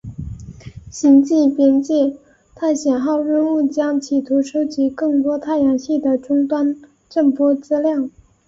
星际边界探险号任务将企图收集更多太阳系的终端震波资料。